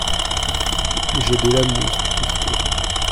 J’ai de l’amour pour toi.